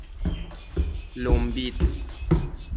لمبید